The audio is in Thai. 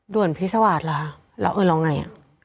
ด่วนพิศวาฒณ์เหรอเราเออเราหลองยังไง